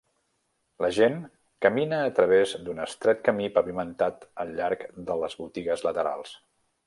La gent camina a través d'un estret camí pavimentat al llarg de les botigues laterals.